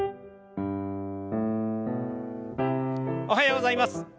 おはようございます。